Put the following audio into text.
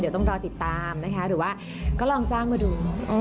เดี๋ยวต้องรอติดตามนะคะหรือว่าก็ลองจ้างมาดู